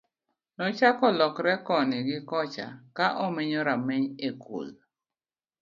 nochako lokre koni gi kocha ka omenyo rameny e kul